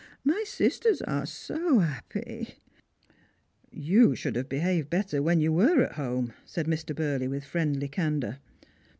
My sisters are so 'appy !"" You should have behaved better when you were at home," said Mr. Burley, with friendly candour.